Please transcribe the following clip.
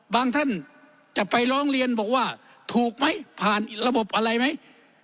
ท่านจะไปร้องเรียนบอกว่าถูกไหมผ่านระบบอะไรไหม